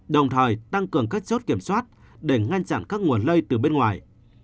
đồng thời tăng cường các chốt kiểm soát để ngăn chặn các nguồn lây từ bên ngoài